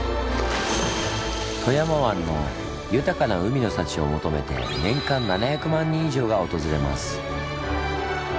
富山湾の豊かな海の幸を求めて年間７００万人以上が訪れます。